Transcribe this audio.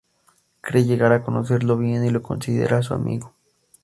Cree llegar a conocerlo bien y lo considera su amigo.